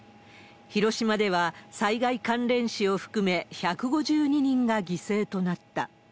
広島では、災害関連死を含め１５２人が犠牲となった。